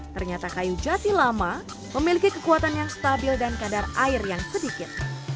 ternyata kayu jati lama memiliki kekuatan yang stabil dan kadar air yang sedikit